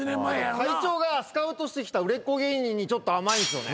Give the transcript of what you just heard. あと会長がスカウトしてきた売れっ子芸人にちょっと甘いんですよね。